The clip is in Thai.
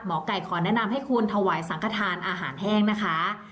ไก่ขอแนะนำให้คุณถวายสังขทานอาหารแห้งนะคะ